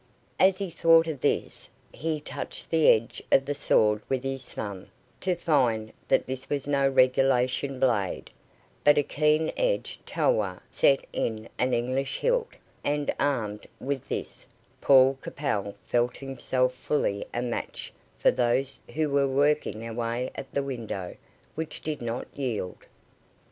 As he thought of this, he touched the edge of the sword with his thumb, to find that this was no regulation blade, but a keen edged tulwar, set in an English hilt, and, armed with this, Paul Capel felt himself fully a match for those who were working away at the window, which did not yield.